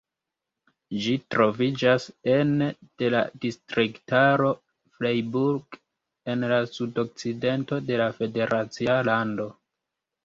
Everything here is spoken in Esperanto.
Ĝi troviĝas ene de la distriktaro Freiburg, en la sudokcidento de la federacia lando.